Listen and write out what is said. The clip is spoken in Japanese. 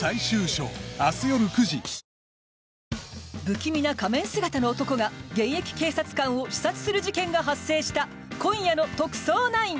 不気味な仮面姿の男が現役警察官を刺殺する事件が発生した、今夜の「特捜９」。